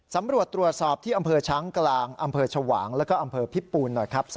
สำรวจตรวจสอบที่อำเภอช้างกลางอำเภอชวางแล้วก็อำเภอพิปูนหน่อยครับ